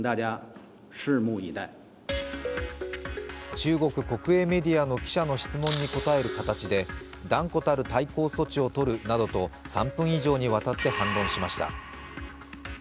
中国国営メディアの記者の質問に答える形で断固たる対抗措置をとるなどと３分以上にわたって反論しました。